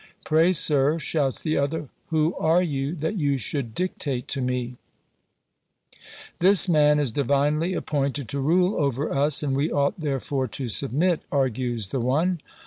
"Pray, sir," shouts the other, "who are you, that you should dictate to me ?"" This man is Divinely ap pointed to rule over us, and we ought therefore to submit," argues the one.